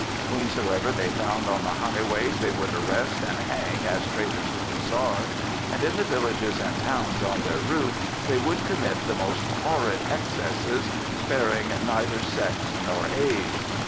Whomsoever they found on the highways they would arrest and hang as traitors to the Czar, and in the villages and towns on their route they would commit the most horrid excesses, sparing neither sex nor age.